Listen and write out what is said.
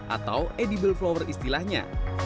atau edible flower istilahnya